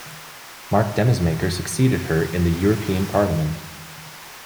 Mark Demesmaeker succeeded her in the European Parliament.